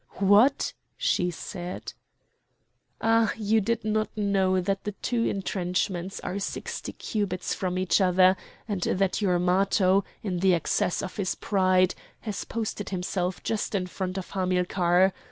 "What?" she said. "Ah! you did not know that the two entrenchments are sixty cubits from each other and that your Matho, in the excess of his pride, has posted himself just in front of Hamilcar.